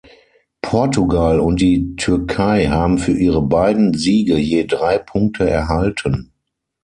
Portugal und die Türkei haben für ihre beiden Siege je drei Punkte erhalten.